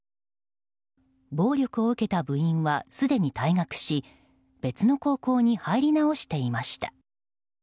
暴力を受けた部員はすでに退学し別の高校に入り直していました。